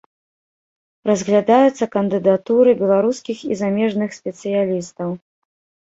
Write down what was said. Разглядаюцца кандыдатуры беларускіх і замежных спецыялістаў.